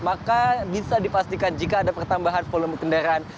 maka bisa dipastikan jika ada pertambahan volume kendaraan